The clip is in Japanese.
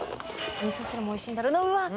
おみそ汁もおいしいんだろうなうわっ！